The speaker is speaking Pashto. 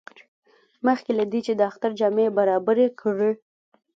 مخکې له دې چې د اختر جامې برابرې کړي.